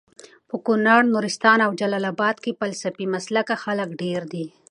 په کونړ، نورستان او جلال اباد کي سلفي مسلکه خلک ډير دي